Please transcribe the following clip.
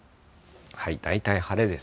大体晴れです。